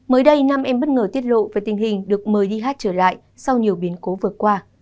mới đây nam em bất ngờ tiết lộ về tình hình được mời đi hát trở lại sau nhiều biến cố vừa qua